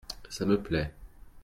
Ça me plait.